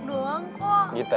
gita jangan gita